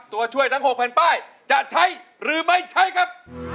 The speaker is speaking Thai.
ตัวช่วยทั้ง๖แผ่นป้ายจะใช้หรือไม่ใช้ครับ